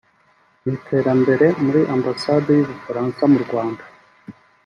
n’iterambere muri Ambasade y’u Bufaransa mu Rwanda